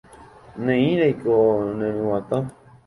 Ne'írãiko neryguatã.